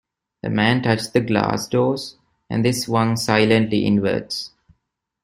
The man touched the glass doors, and they swung silently inwards.